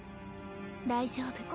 大丈夫。